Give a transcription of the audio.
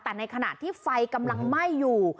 แต่ในขณะที่ไฟกำลังไหม้อยู่